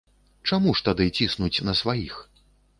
Чаму ж тады ціснуць на сваіх?